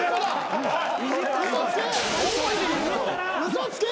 嘘つけ！